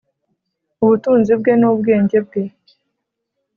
ubutunzi bwe n’ubwenge bwe,